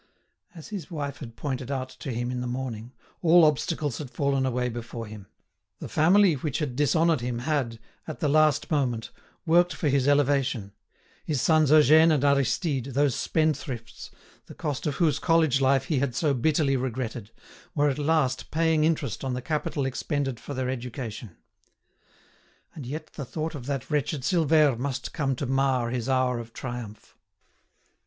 As his wife had pointed out to him in the morning, all obstacles had fallen away before him; the family which had dishonoured him had, at the last moment, worked for his elevation; his sons Eugène and Aristide, those spend thrifts, the cost of whose college life he had so bitterly regretted, were at last paying interest on the capital expended for their education. And yet the thought of that wretched Silvère must come to mar his hour of triumph!